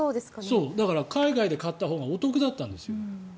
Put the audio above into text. だから海外で買ったほうがお得だったんですよ。